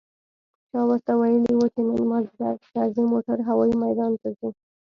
چا ورته ويلي و چې نن مازديګر د کرزي موټر هوايي ميدان ته ځي.